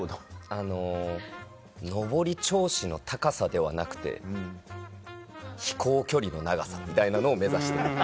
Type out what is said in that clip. あの上り調子の高さではなくて飛行距離の長さみたいなのを目指してる。